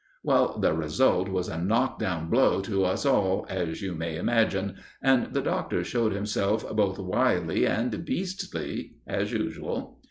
Well, the result was a knock down blow to us all, as you may imagine, and the Doctor showed himself both wily and beastly, as usual.